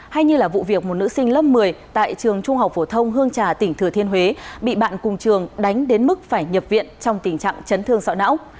hay như là vụ việc một nữ sinh lớp một mươi tại trường trung học phổ thông hương trà tỉnh thừa thiên huế bị bạn cùng trường đánh đến mức phải nhập viện trong tình trạng chấn thương sọ não